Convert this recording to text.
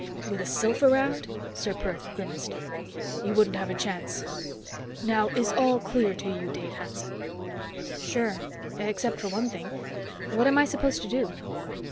"With a sylph around?" Ser Perth grimaced. "You wouldn't have a chance. Now, is all clear to you, Dave Hanson?" "Sure. Except for one thing. What am I supposed to do?"